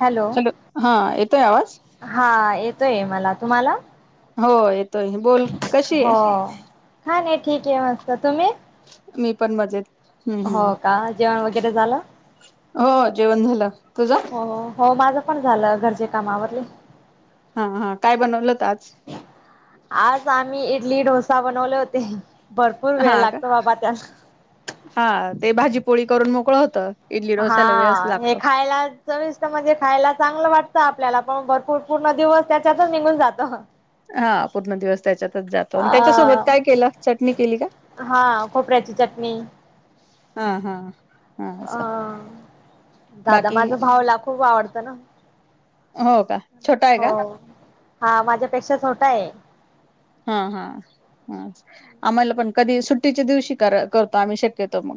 Hello हा येतोय आवाज हा य येतोय मला. तुम्हाला? हो येतोय. बोल कशीय? ठीकय मस्त. तुम्ही? मी पण मजेत. हम्म हो हम्म का. जेवण वगैरे झालं? हो जेवण झालं. तुझ? हो हो माझं पण झालं घरचे काम आवरले. हा हा काय बनवलंत आज? आज आम्ही इडली, डोसा बनवले होते. भरपूर हा वेळ का लागतो बाबा त्याला. हा ते भाजीपोळी करून मोकळ होतं. इडली हा डोस्याला वेळच हे लागतो खायला चविष्ट म्हणजे खायला चांगलं वाट त आपल्याला पण भरपूर पूर्ण दिवस त्याच्यातच निघून जातो. हा पूर्ण दिवस त्याच्यातच जातो आणि त्याच्यासोबत अ काय केलं. चटणी केली का? हा खोपऱ्याची चटणी. हा हा. हा अ असं दादा बाकी माझा भाऊला खूप आवडतं ना. हो का छोटा आहे हो का हा माझ्यापेक्षा छोटा आहे. हा हा आम्हाला पण कधी सुट्टीच्या दिवशी करतो आम्ही शक्यतो मग.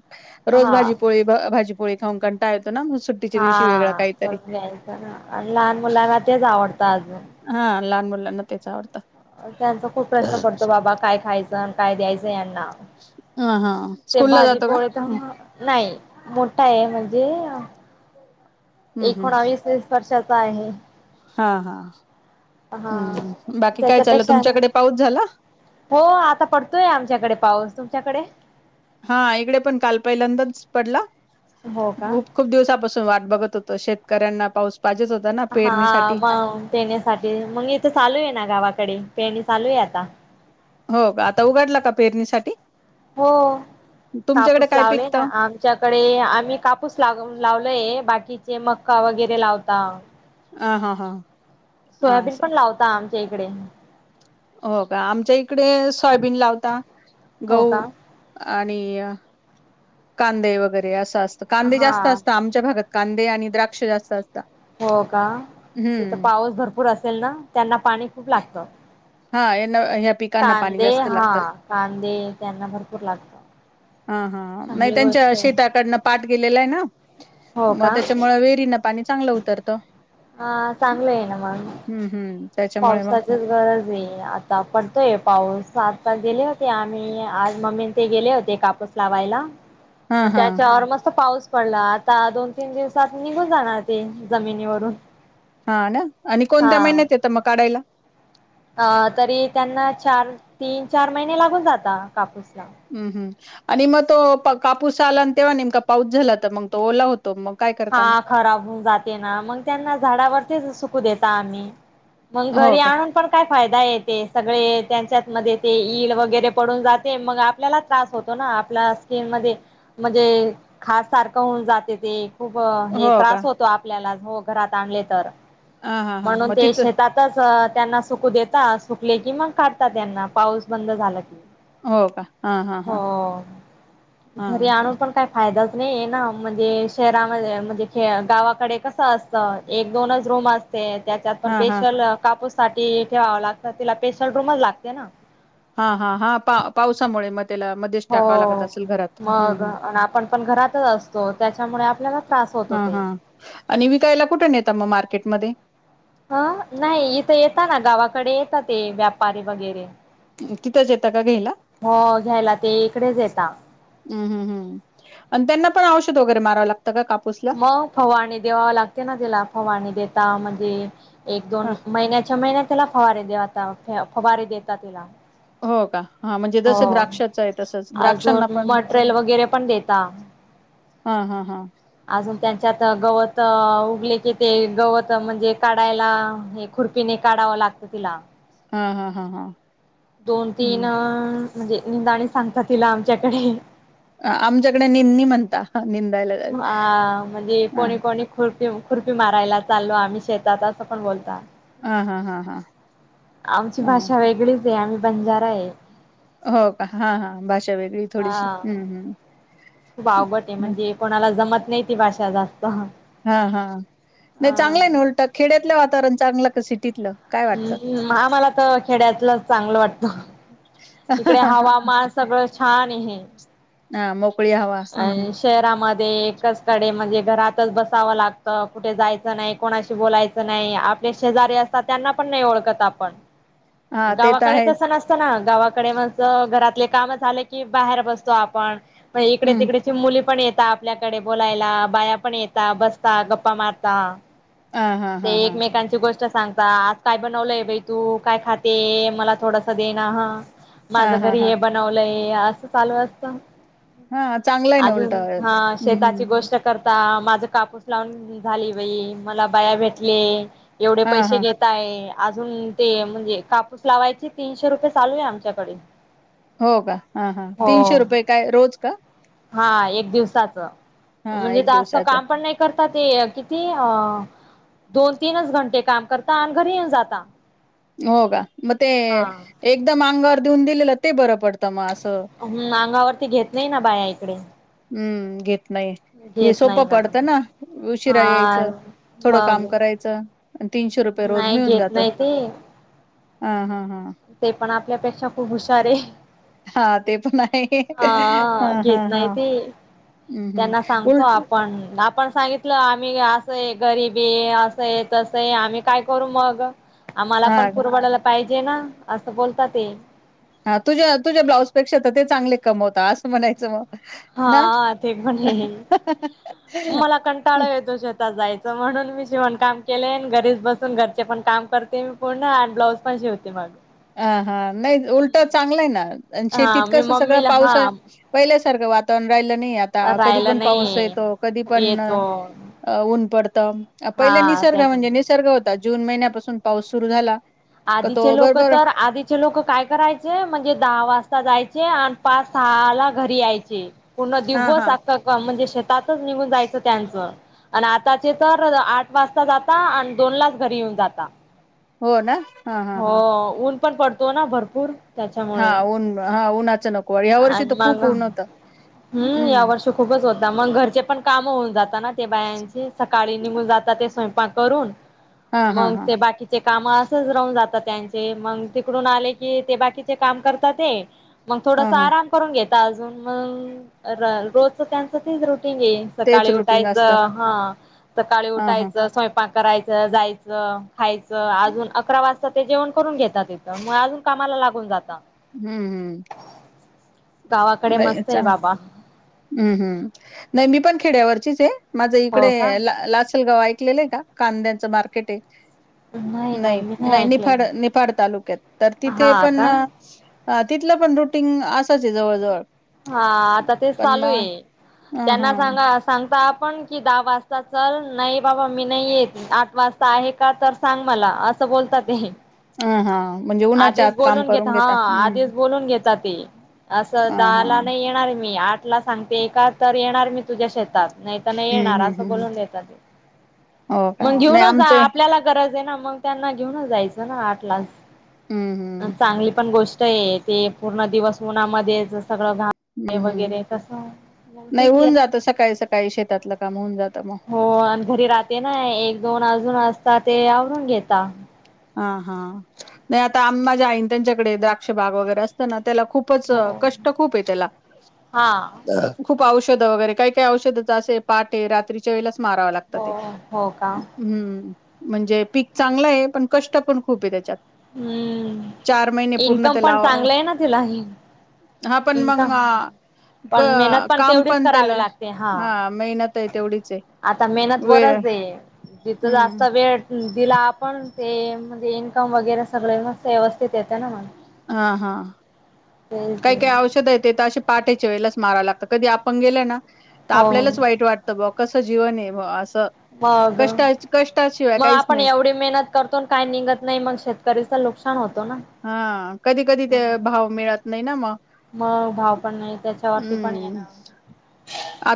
रोज हा भाजीपोळी, भाजीपोळी खाऊन कंटाळ येतो ना मग सुट्टीच्या दिवशी वेगळां हा काहीतरी. करून घ्यायचं ना आणि लहान मुलांना तेच आवडतं अजून हा लहान मुलालांना तेच आवडतं. त्यांचा खूप प्रश्न पडतो बाबा काय खायचं काय द्यायचं यांना हा हा ते स्कूल ला भाजी जातो का पोळत हम्म नाही. मोठा आहे म्हणजे हम्म हम्म एकोणावीस वीस वर्षाचा आहे. हा हा. हा हम्म बाकी काय चाललं त्याच्यापेक्षा आणि तुमच्याकडे पाऊस झाला हो आता पडतोय आमच्याकडे पाऊस. तुमच्याकडे? हा इकडे पण काल पहिल्यांदाच पडला हो का खूप खूप दिवसापासून वाट बघत होतो शेतकऱ्यांना पाऊस पाहिजेच होता ना हा पेरणीसाठी म देण्यासाठी मग इथ चालू आहे ना गावाकडे. पेरणी चालू आहे आता. हो का. आता उघडला का पेरणीसाठी. हो. तुमच्याकडे कापूस काय लावले ना पिकतं आमच्याकडे आम्ही कापूस ला लावलय बाकी कीचे मक्का वगैरे लावता. आ हा हां. सोयाबीन पण लावता आमच्या इकडे. हो का आमच्या इकडे सोयाबीन लावता. हो का. गहू आणि कांदे वगैरे असं असतं कांदे जास्त हा असत आमच्या भागात कांदे आणि द्राक्षे जास्त अस हो का तिथं पाऊस भरपूर असेल ना त्यांना पाणी खूप लागतं. हा यांना ह्या पिकांना पाणी कांदे जास्त हा लागतं कांदे त्यांना भरपूर लागत. हा हा नाही त्यांच्या शेताकडनं पाट गेलेला आहे ना हो मग का त्याच्यामुळे वेरीन पाणी चांगलं उतरतं. ह चांगलं ये ना मग. हम्म हम्म त्याच्यामुळे मग पावसाचीच गरज आहे आता पडतोय पाऊस. सात तास गेले होते आम्ही आज मम्मी ते गेले होते कापूस लावायला. हा मग हा त्याच्यावर मस्त पाऊस पडला. आता दोन तीन दिवसात निघून जाणार ते जमिनीवरून. हा ना आणि कोणत्या हा महिन्यात येत मग काढायला. अ तरी त्यांना चार तीन चार महिने लागून जाता कापूसला. हम्म हम्म आणि मग तो कापूस आला तेव्हा नेमका पाऊस झाला तर मग तो ओला हो हा खराबऊन जाते ना मग त्यांना झाडावरतीच सुकू देता आम्ही. मग हो घरी का आणून पण काय फायदा येतेस. सगळे त्यांच्यात मध्ये ते ईल वगैरे पडून जाते मग आपल्याला त्रास होतो ना आपल्या स्किन मधे म्हणजे खाज सारखं होऊन जाते ते. खूप हे हो का त्रास होतो आपल्याला हो घरात आणले तर. हा हा हा म्हणून मग ते तिथं शेतातच त्यांना सुकू देता सुकले की मग काढता त्यांना पाऊस बंद झाला की. हो का हा हा हा हो हा घरी अस आणून पण काय फायदाच नाही आहे ना म्हणजे शहरामध्ये म्हणजे खे गावाकडे कसं असत एक दोनचं रूम अस ते त्याच्यात पण हा हा पेशल कापूस साठी ठेवाव लागतं तिला पेशल रूमच लागते ना. हा हा हा पा पावसामुळे म हो मग हम्म अन् आपण पण घरातच असतो त्याच्यामुळे आपल्याला त्रास होत हा होते हा आणि विकायला कुठे नेता मग मार्केटमध्ये? ह नाही इथं येत ना गावाकडे येतात ते व्यापारी वगैरे. तिथंच येतं का घ्यायला? हो घ्यायला ते इकडेच येता हम्म हम् हम् आणि त्यांना पण औषध वगैरे मारावं लाग मग फवारणी देवाव लागते ना त्याला, फवारणी देताव म्हणजे एक ह दोन महिन्याच्या महिन्यात तिला फवारणी देता फवारी देता तेला. हो का? हा म्हणजे हो, जसं द्राक्षाचं आहे तसंच द्राक्षांना अजून पण मटेरियल वगैरे पण देता हा हा हा अजून त्यांच्यात गवत उगले की ते गवत म्हणजे काढायला हे खुर्पीने काढावं लागत तिला हा हा हा हा. दोन तीन हम्म म्हणजे निंदाणी सांगतात तिला आमच्याकडे आमच्याकडे निंनी म्हणता निंदायला ह हा म्हणजे कोणी कोणी खुर पी खुर्पी मारायला चालो आम्ही शेतात असं पण बोलता. हा हा हा आमची हा भाषा वेगळीच आहे, आम्ही बंजारा आहे. हो का हा हा भाषा वेगळी थोडीशी हा हम्म हम् खूप आवघड आहे म्हणजे कोणाला जमत नाही ती भाषा हा हा अ नाही चांगलंय ना उलट, खेड्यातलं वातावरण चांगलं का सिटीतलं? काय वाटतं हम्म हा माला तर खेड्यातलं चांगलं वाटतं. इकडे हवामान सगळं छान आहे. ह म आणि शेहराम धे कस कडे म्हणजे घरातच बसावं लागत, कुठे जायचं नाही, कोणाशी बोलायचं नाही आपल्या शेजारी असतात त्यांना पण नाही ओळखत आपण हा ते तर गावाकडे आहेच तसं नसतं ना. गावाकडे म घरातले काम झालं की बाहेर बसतो आपण तिकडे हम्म तिकडेची मुली पण ये ता आपल्याकडे बोलायला बाया पण येेता, बसता, गप्पा मारता. हा हा ते हा हा एकमेकांची गोष्ट अस सांगता आज काय बनवलय बाई तू काय खाते मला थोडसं देणा हं माझं हा हा घरी हा ये बनवलंय असं चालू असत. हा चांगलं आहे ना उलट अजून हा हम्म शेताची हम्म गोष्ट कर आता माझं कापूस लावून झाली बाई मला बाया भेटले, एवढे हा पैसे हा घेताय अजून ते म्हणजे कापूस लावायचे तीनशे रुपये चालू आहे आमच्याकडे. हो का हा हा हो तीनशे रुपये काय रोज का? हा एक दिवसाच हा म्हणजे एक जास्त दिवसाचा काम पण नाही करत ते किती अ दोन तीनच घंटे काम करता आणि घरी येऊन जाता. हो का म ते हा एकदम अंगावर देऊन दिलेलं ते बरं पडत. हम् अंगावरती घेत नाही ना बाया इकडे. हम्म घेत नाही हे घेत नाही सोपं पडतं ना उशिरा हा यायचं थोडं मग काम करायचं तीनशे रुपये रोज नाही मिळून घेत जात नाही ते हां हां हां. ते पण आपल्यापेक्षा खूप हुशार आहे. हा ते पण आहे हा हा घेत नाही हा. ते हम् हम् त्यांना सांगतो उलट आपण आपण सांगितलं आम्ही असंय गरीबी असंय तसय आम्ही काय करू मग. आम्हाला हा पण पुरवडायला पाहिजे ना असं बोलतात ते हा तुझ्या तुझ्या ब्लाउजपेक्षा तर ते चांगले कमवता असं म्हणायचं मग ना हा ते पण ये मला कंटाळा येतो शेतात जायचं म्हणून मी शिवण काम केले आणि घरीच बसून घरचे पण काम करते मी पूर्ण आणि ब्लाऊज पण शिवते मग हा हा नाही उलट चांगला आहे ना शेतीत हा मी कस सगळं मम्मीला पाऊस आहे हा पहिल्या सारखं वातावरण राहिलं नाही आता कधी राहायला पण पाऊस नाही येतो कधी पण येतो ऊन पडत पहिला हा निसर्ग म्हणजे त्याच्यामुळे निसर्ग होता, जून महिन्यापासून पाऊस सुरु झाला. का तो आधीचे लोक बरोबर तर आधीचे लोक काय करायचे म्हणजे दहा वाजता जाय चे आणि पाच सहा ला घरी यायचे. पूर्ण हा हा दिवस अस म्हणजे शे तातच निघून जायचं त्यांच. आणि आताचे तर आठ वाजता जाता आणि दोन लाच घरी येऊ न जाता. हो ना. हा हा हो. हा ऊन पण पडतो ना भरपूर. हा त्याच्यामुळे ऊन हा उन्हात. मग हम्म या वर्षी खूपच होत. मग घरचे पण काम होऊन जाता ना ते बायांची. सकाळी निघून जातात ते स्वयंपाक करून हा हा मग हा ते बाकीचे काम असच राहून जातात त्यांचे. मग तिकडून आले की ते बाकीचे काम करतात ते मग हा थोडस हा आराम करून घेता अजून मग, रोजच त्यांचं ते रुटिं टिंग ये. तेच सकाळी रुटीन असतं उठायचं हा सकाळी हा हा उठायच स्वयंपाक करायच, जायचं, खायचं अजून अकरा वाजता ते जेवण करून घेतात तथ. मग अजून कामाला लागून जात. हम्म हम्म. गावाकडे नाही मस्त आहे चां बाबा हम्म हम्म नाही मी पण खेड्यावरचीच ये. माझं इकडे हो का ला लाचलगाव ऐकलेलं आहे का? कांद्यांचं मार्केट आहे. नाही नाही निफाड निफाड तालुक्यात. तर तिथे हा पण का हा तिथलं पण रुटीन असचय जवळजवळ. हा आता तेच चालूय. अ हा त्यांना सांगा सांगता पण की दहा वाजता चल. नाही बाबा मी नाही येत आठ वाजता आहे का तर सांग मला. अस बोलता ते. ह हा. म्हणजे उन्हाच्या आत आधीच काम बोलून घेता करून हा, हम्म आधीच बोलून घेता ते. असं अ दहा हा ला नाही येणार मी, आठ ला सांगते एका तर येणार मी तुझ्या शेतात. नाही तर नाही हम्म येणार हम्म असं हम्म बोलून देता ते. हो का मग नाही घेऊनच आमचे आपल्याला गरज आहे ना. मग त्यांना घेऊनच जायच ना आठ लाच हम्म हम्म चांगली पण गोष्ट य ते पूर्ण दिवस उन्हामध्येच सगळं घा हम्म हम्म वगैरे कसं हो नाही ठीकय. होऊन जातं सकाळी सकाळी शेतातलं काम होऊन जातं मग हो आणि घरी राहते ना एक दोन अजून असता ते आवरून घेता. हा हा. नाही आता आम माझ्या आईन त्यांच्याकडे द्राक्ष बाग वगैरे असतं ना त्याला खूपच हो. कष्ट खूप आहे त्याला. हा खूप औषधं वगैरे काही काही औषधच असे, पाटे रात्रीच्या वेळेलाच माराव लागत हो ते. हो का हम्म म्हणजे ते पिक चांगलंय पण कष्ट पण खूप आहे त्याच्यात. हम्म चार महिने पूर्ण इन्कम त्याला पण चांगलं आहे ना तिला ह. हा पण मंग अ मेहनत काम तेवढीच पण करावी त्याला लागते हा मेहनत आहे तेवढीच आहे. आता मेहनत वेळ वरच हे. तिथं जास्त हम्म वेळ दिला आपण ते ते म्हणजे इन्कम वगैरे सगळे मस् व्यवस्थित येते ना मग. हा हा. तेच काही काही औषधं येत तर अशे पहाटेच्या वेळेलाच माराव लागतं. कधी आपण गेलं ना तर हो हो आपल्यालाच वाईट वाटत ब कस जीवन आहे ब असं मग कष्टा कष्ट मग आपण एवढी मेहनत करतो काय निघत नाही मग शेतकरीच नुक हा कधी कधी ते भाव मिळत नाही ना मग. मग भाव पण नाही त्याच्यावरती पण हम्म येणार.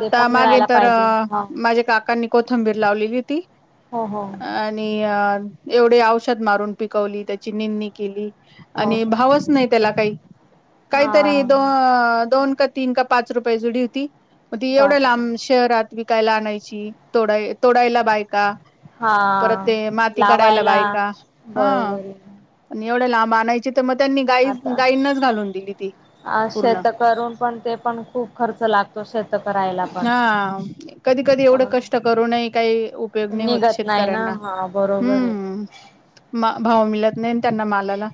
ते पण मागे मिळायला तर पाहिजे हा माझ्या काकांनी कोथंबीर लावलेली होती. हो हो आणि अ एवढे औषध मारून पिकवली त्याची निंदणी केली हो आणि का भावच नाही. त्याला काही हा काहीतरी दो दोन का तीन का पाच रुपये जुडी होती. म एवढं बापरे लांब शहरात विकायला आणायची तोडाय तोडायला बायका. परत हा ते माती काढायला लावायला बायका बरोबर हां. आहे एवढं लांब आणायची तर मग त्यांनी गाई आता गाईंनाच घालून दिली ती. अ पूर्ण शेत करून पण ते पण खूप खर्च लागतो. शेत करायला पण हां कधी कधी एवढं कष्ट करून काही उपयोग नाही होत निघत नाही ना शेतकऱ्यांना. हा बरोबर आहे हम्म भाव मिळत नाही त्यांना मालाला.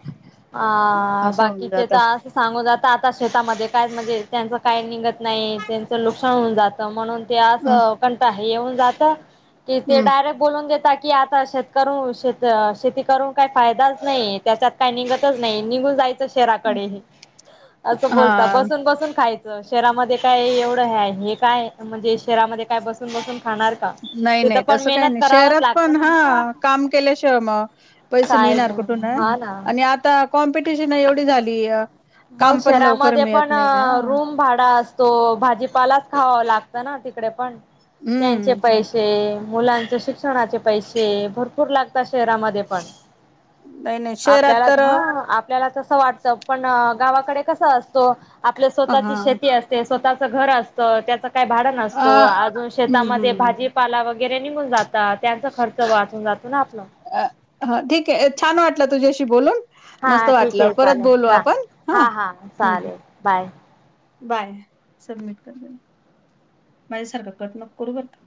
अ असं होऊन बाकीचे जात तर अस सांगू जात आता शेतामध्ये काय म्हणजे त्यांच. काय निघत नाही त्यांचं नुकसान होऊन जातं म्हणून ते असं कंट आहे येऊन जात. कि ते हम्म डायरेक्ट बोलून घेतात की आता शेतकर श शेती करून काही फायदाच नाही. त्याच्यात काही निघतच नाही निघून जायचं शहराकडे असं बोलत हा बसून बसून खायचं. शहरामध्ये काय एवढं हे हे काय म्हणजे शहरामध्ये काय बसून बसून. नाही तिथ नाही पण तसं काही मेहनत नाही करावच शहरात लागत पण ना. हा काम केल्याशिवाय मग ह पैसे मिळणार कुठून आहे. हं आणि आता कॉम्पिटिशन एवढी झाली. मग काम पण लवकर शहरामध्ये मिळत पण नाही हा रूम भाडा असतो भाजीपाला. खावावं लागतं ना तिकडे पण त्यांचे हम्म पैसे. मुलांचे शिक्षणाचे पैसे भरपूर लागतात शहरामध्ये पण. नाही नाही शहरात आपल्याला तर हां आपल्याला तस वाटत पण. गावाकडे कस असतो आपल्या स्वतःची हा शेती असते. स्वतःच घर असत. त्याचं काही भाडं नसतो अजून हम्म शेतामध्ये हम्म भाजीपाला वगैरे निघून जातात त्यांचा खर्च वाचून जात. ना आपलं. हा ठीक आहे छान वाटला तुझ्याशी बोलून. मस्त हा ठीक वाटलं आहे परत चालेल बोलू हा आपण हा हम्. बाय सबमिट करला. माझ्यासारखं कट नको करू बर का.